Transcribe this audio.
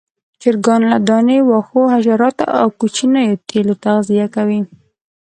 چرګان له دانې، واښو، حشراتو او کوچنيو تیلو تغذیه کوي.